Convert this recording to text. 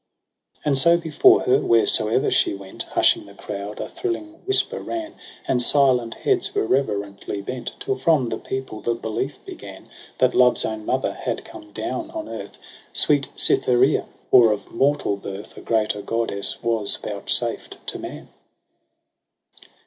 7 And so before her, wheresoe'er she went. Hushing the crowd a thrilling whisper ran. And silent heads were reverently bent ; Till from the people the belief began That Love's own mother had come down on earth. Sweet Cytherea, or of mortal birth A greater Goddess was vouchsaf't to man.